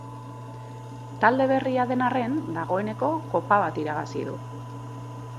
Talde berria den arren dagoeneko Kopa bat irabazi du.